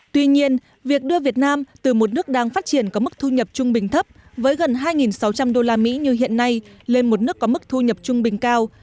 tuy nhiên việc đưa việt nam từ một nước đang phát triển có mức thu nhập trung bình thấp với gần hai sáu trăm linh usd như hiện nay lên một nước có mức thu nhập trung bình cao